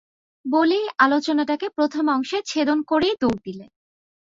বলেই আলোচনাটাকে প্রথম অংশে ছেদন করেই দৌড় দিলে।